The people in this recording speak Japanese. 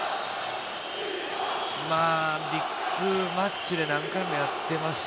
ビッグマッチで何回もやってますし。